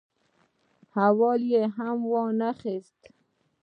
احوال یې هم وا نه خیست.